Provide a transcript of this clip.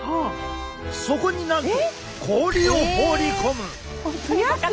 そこになんと氷を放り込む！